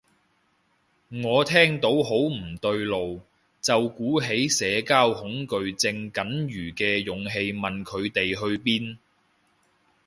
我聽到好唔對路，就鼓起社交恐懼症僅餘嘅勇氣問佢哋去邊